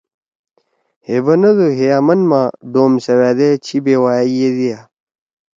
ہے بندو ہے آمن ما ڈوم سیوأدے چھی بیوائے ییدیا۔